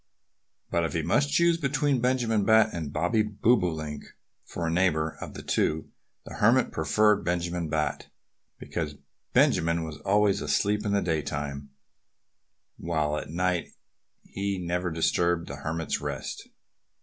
But if he must choose between Benjamin Bat and Bobby Bobolink for a neighbor, of the two the Hermit preferred Benjamin Bat, because Benjamin was always asleep in the daytime, while at night he never disturbed the Hermit's rest.